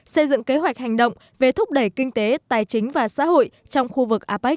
xây dựng kế hoạch hành động về thúc đẩy kinh tế tài chính và xã hội trong khu vực apec